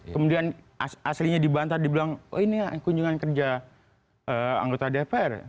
kemudian aslinya dibantah dibilang oh ini kunjungan kerja anggota dpr